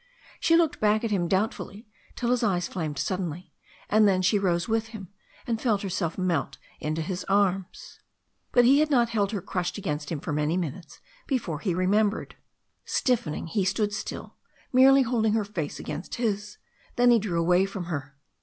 She looked back at him doubtfully till his eyes flamed suddenly, and then she rose with him and felt herself melt into his arms. But he had not held her crushed against him for many minutes before he remembered. Stiffening, he stood still, merely holding her face against his. Then he drew away from her.